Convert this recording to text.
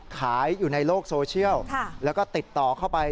อยู่ในโลกโซเชียลแล้วก็ติดต่อเข้าไป